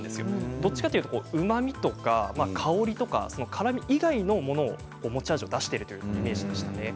どちらかというと、うまみとか香りとか、からみ以外のものを持ち味を出しているというイメージでしたね。